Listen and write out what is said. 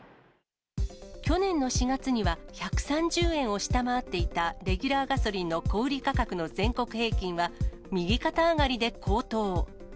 去年の４月には１３０円を下回っていた、レギュラーガソリンの小売り価格の全国平均は、右肩上がりで高騰。